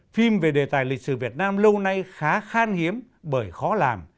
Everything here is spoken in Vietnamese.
phim về đề tài lịch sử việt nam lâu nay khá khan hiếm bởi khó làm